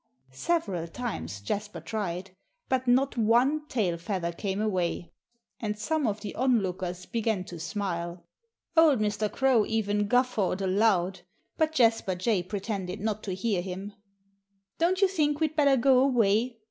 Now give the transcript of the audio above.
Several times Jasper tried. But not one tail feather came away. And some of the onlookers began to smile. Old Mr. Crow even guffawed aloud. But Jasper Jay pretended not to hear him. "Don't you think we'd better go away?"